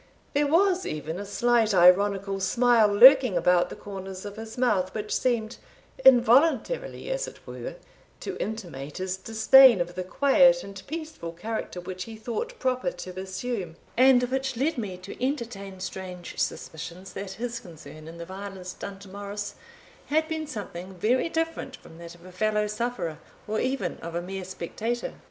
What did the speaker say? There was even a slight ironical smile lurking about the corners of his mouth, which seemed, involuntarily as it were, to intimate his disdain of the quiet and peaceful character which he thought proper to assume, and which led me to entertain strange suspicions that his concern in the violence done to Morris had been something very different from that of a fellow sufferer, or even of a mere spectator.